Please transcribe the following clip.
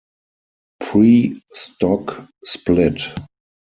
Pre stock split.